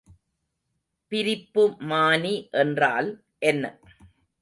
பிரிப்புமானி என்றால் என்ன?